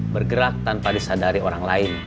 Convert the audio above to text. bergerak tanpa disadari orang lain